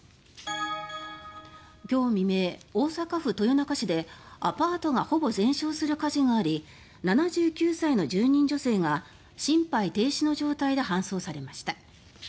今日未明、大阪府豊中市でアパートがほぼ全焼する火事があり７９歳の住人女性が心肺停止の状態で搬送されました。